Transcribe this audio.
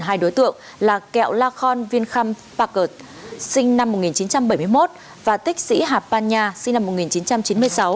hai đối tượng là kẹo la khon vinham pakert sinh năm một nghìn chín trăm bảy mươi một và tích sĩ hạp ban nha sinh năm một nghìn chín trăm chín mươi sáu